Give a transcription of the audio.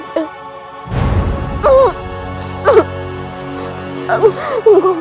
sampai kauetime keras usia singkirlah